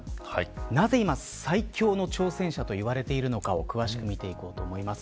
なぜ今、最強の挑戦者といわれているのかを詳しく見ていこうと思います。